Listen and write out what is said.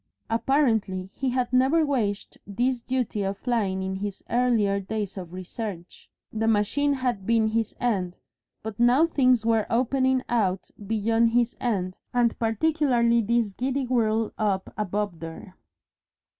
Apparently he had never weighed this duty of flying in his earlier days of research; the machine had been his end, but now things were opening out beyond his end, and particularly this giddy whirl up above there.